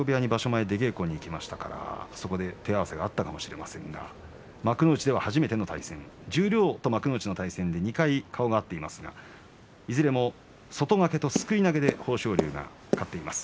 前出稽古に行きましたから、そこで手合わせがあったかもしれませんが幕内では初めての対戦十両と幕下の対戦で２回顔が合っていますがいずれも外掛けとすくい投げで豊昇龍が勝っています。